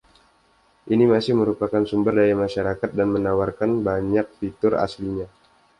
Ini masih merupakan sumber daya masyarakat dan menawarkan banyak fitur aslinya.